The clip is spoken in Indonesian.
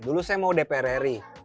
dulu saya mau dprri